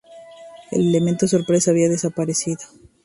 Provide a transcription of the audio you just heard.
El elemento sorpresa había desaparecido.